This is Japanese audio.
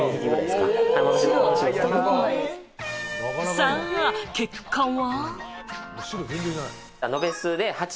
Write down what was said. さぁ、結果は？